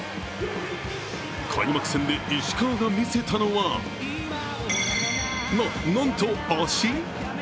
開幕戦で石川がみせたのはな、なんと、足！？